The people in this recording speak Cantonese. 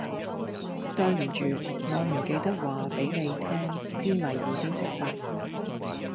對唔住，我唔記得話俾你聽啲米已經食曬